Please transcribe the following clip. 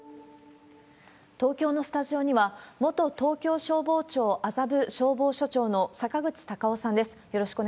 東京のスタジオには、元東京消防庁麻布消防署長の坂口隆夫さんです。